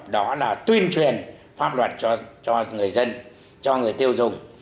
đó là tuyên truyền pháp luật cho người dân cho người tiêu dùng